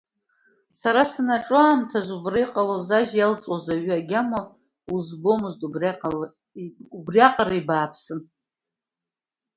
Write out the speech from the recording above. Сара санаҿу аамҭазы убра иҟалоз ажь иалҵуаз аҩы агьама узбомызт, убриаҟара ибааԥсын.